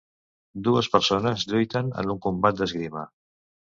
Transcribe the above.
Dues persones lluiten en un combat d'esgrima.